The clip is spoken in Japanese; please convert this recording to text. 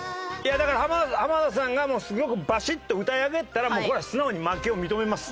だから田さんがすごくバシッと歌い上げてたらこれは素直に負けを認めます。